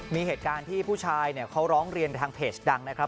มีเหตุการณ์ที่ผู้ชายเนี่ยเขาร้องเรียนไปทางเพจดังนะครับ